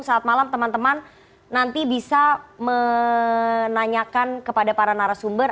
saat malam teman teman nanti bisa menanyakan kepada para narasumber